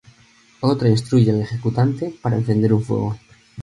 Otra instruye al ejecutante para encender un fuego.